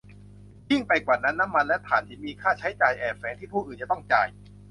ยิ่งไปกว่านั้น น้ำมันและถ่านหินมีค่าใช้จ่ายแอบแฝงที่ผู้อื่นจะต้องจ่าย